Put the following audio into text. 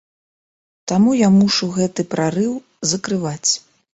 Таму я мушу гэты прарыў закрываць.